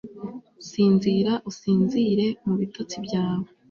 sinzira, usinzire; mu bitotsi byawe